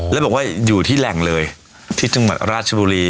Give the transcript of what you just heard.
แล้วบอกว่าอยู่ที่แหล่งเลยที่จังหวัดราชบุรี